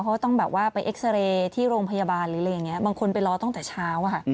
เขาต้องไปเอ็กซาเรที่โรงพยาบาลบางคนไปรอตั้งแต่เช้า